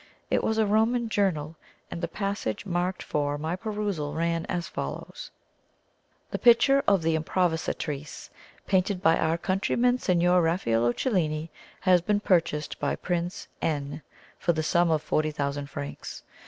It was a Roman journal, and the passage marked for my perusal ran as follows: "The picture of the Improvisatrice, painted by our countryman Signor Raffaello Cellini, has been purchased by Prince N for the sum of forty thousand francs.